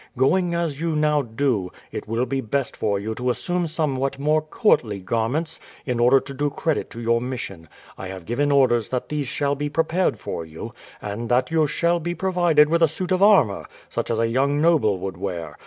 Going as you now do, it will be best for you to assume somewhat more courtly garments in order to do credit to your mission. I have given orders that these shall be prepared for you, and that you shall be provided with a suit of armour, such as a young noble would wear.